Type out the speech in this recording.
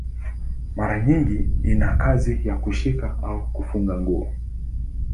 Mara nyingi ina kazi ya kushika au kufunga nguo.